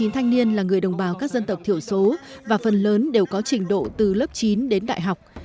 hai trăm tám mươi chín thanh niên là người đồng bào các dân tộc thiểu số và phần lớn đều có trình độ từ lớp chín đến đại học